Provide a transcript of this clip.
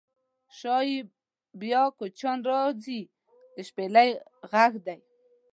شایي بیا کوچیان راځي د شپیلۍ غږدی